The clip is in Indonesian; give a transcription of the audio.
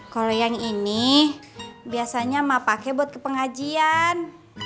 kalo yang ini biasanya emak pake buat ke pengajian